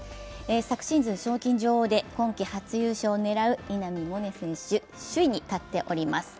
昨シーズン賞金女王で今季初優勝を狙う稲見萌寧選手首位に立っております。